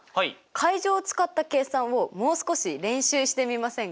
階乗を使った計算をもう少し練習してみませんか？